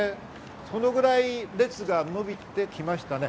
そのぐらい列が伸びてきましたね。